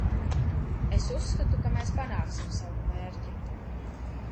Es uzskatu, ka mēs panāksim savu mērķi.